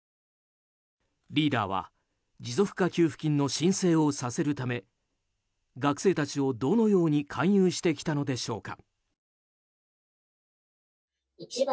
リーダーは持続化給付金の申請をさせるため学生たちをどのように勧誘してきたのでしょうか。